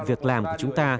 việc làm của chúng ta